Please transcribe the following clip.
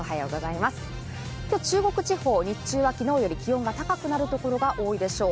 今日、中国地方、日中は昨日より気温が高くなるところが多いでしょう。